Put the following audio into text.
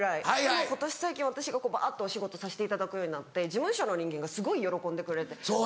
でも今年私がバっとお仕事させていただくようになって事務所の人間がすごい喜んでくれて。